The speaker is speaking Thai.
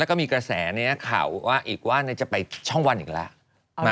แล้วก็มีกระแสข่าวว่าอีกว่าจะไปช่องวันอีกแล้ว